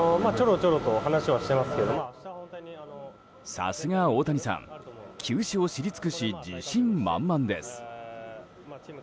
さすが大谷さん球種を知り尽くし自信満々です。